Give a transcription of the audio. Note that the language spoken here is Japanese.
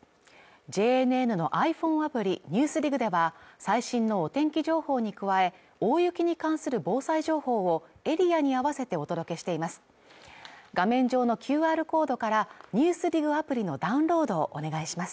ＪＮＮのｉＰｈｏｎｅアプリ「ＮＥＷＳＤＩＧ」では最新のお天気情報に加え大雪に関する防災情報をエリアに合わせてお届けしています